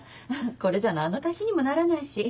これじゃ何の足しにもならないし。